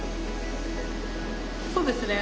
そうですね